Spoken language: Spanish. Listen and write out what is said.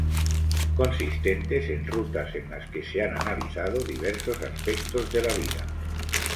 consistentes en rutas en las que se han analizado diversos aspectos de la vida